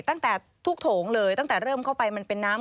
ตั้งแต่ทุกโถงเลยตั้งแต่เริ่มเข้าไปมันเป็นน้ำ